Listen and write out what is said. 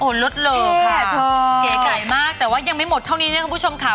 โอ๊ยโลดเลอร์ค่ะเก๋ไก่มากแต่ว่ายังไม่หมดเท่านี้นะคุณผู้ชมค่ะ